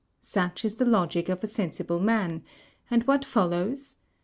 Such is the logic of a sen sible man, and what follows?